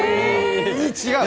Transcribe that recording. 違う！